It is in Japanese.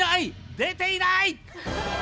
出ていない！